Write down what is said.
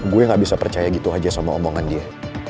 gue gak bisa percaya gitu aja sama omongan dia